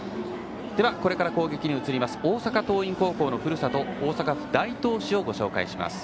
では、これから攻撃に移ります大阪桐蔭高校のふるさと、大阪府大東市をご紹介します。